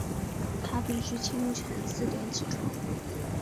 她必须清晨四点起来